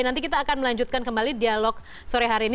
nanti kita akan melanjutkan kembali dialog sore hari ini